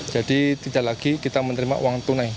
jadi tidak lagi kita menerima uang tunai